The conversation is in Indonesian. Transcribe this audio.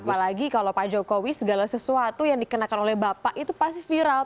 apalagi kalau pak jokowi segala sesuatu yang dikenakan oleh bapak itu pasti viral